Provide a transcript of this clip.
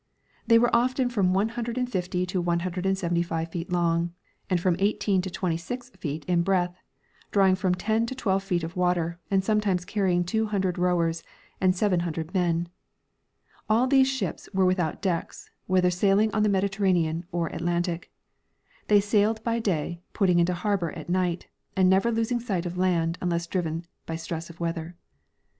They were often from 150 to 175 feet long, and from 18 to 26 feet in breadth, drawing from 10 to 12 feet of water and some times carrying two hundred rowers and several hundred men. All these ships were without decks, whether sailing on the Mediterranean or Atlantic. They sailed by day, putting into harbor at night, and never losing sight of land unless driven by stress of weather.